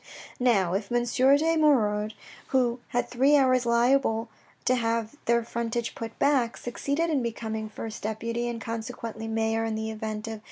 Now if M. de Moirod, who had three houses liable to have THE FIRST DEPUTY 101 their frontage put back, succeeded in becoming first deputy and consequently mayor in the event of M.